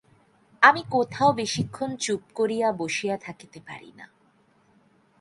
আমি কোথাও বেশিক্ষণ চুপ করিয়া বসিয়া থাকিতে পারি না।